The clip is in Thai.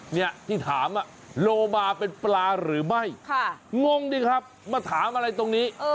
เนี่ยที่ถามโลมาเป็นปลาหรือไม่งงดิครับมาถามอะไรตรงนี้